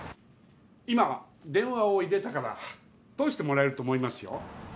今電話を入れたから通してもらえると思いますよ。